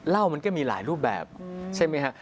เหล้ามันก็มีหลายรูปแบบใช่ไหมครับ